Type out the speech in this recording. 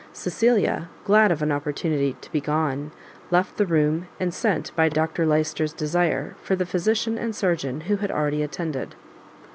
Cecilia, glad of an opportunity to be gone, left the room, and sent, by Dr Lyster's desire, for the physician and surgeon who had already attended.